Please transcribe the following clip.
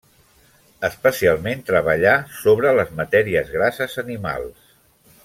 Especialment treballà sobre les matèries grasses animals.